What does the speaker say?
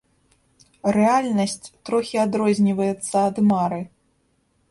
Рэальнасць трохі адрозніваецца ад мары.